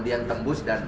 dan mengenai jari